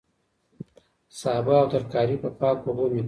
سابه او ترکاري په پاکو اوبو پریمنځئ.